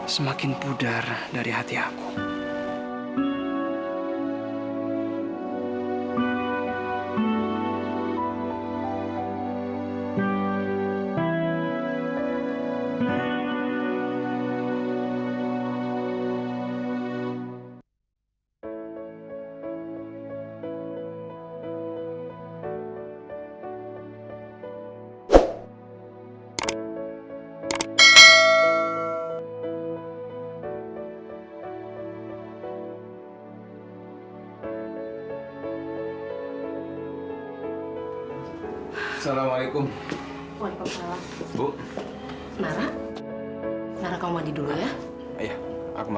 sampai jumpa di video selanjutnya